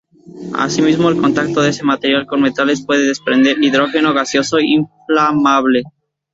Asimismo, el contacto de este material con metales puede desprender hidrógeno gaseoso inflamable.